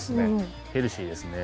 ヘルシーですね。